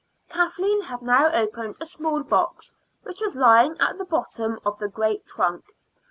Kathleen had now opened a small box which was lying at the bottom of the great trunk.